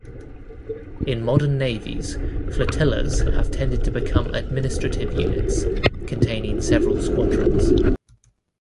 In modern navies, flotillas have tended to become administrative units containing several squadrons.